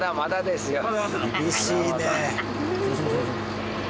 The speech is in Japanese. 厳しいね。